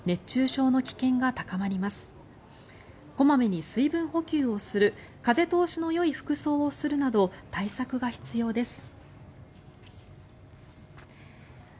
小まめに水分補給をする風通しのよい服装をするなど対策が必要です。